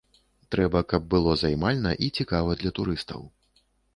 Трэба, каб было займальна і цікава для турыстаў.